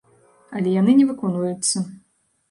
Але яны не выконваюцца.